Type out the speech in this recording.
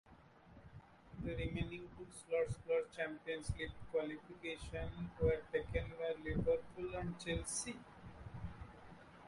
The remaining two slots for Champions League qualification were taken by Liverpool and Chelsea.